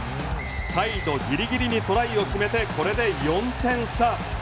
サイドギリギリにトライを決めてこれで４点差。